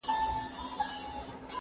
پر قسمت یې د تیارې پلو را خپور دی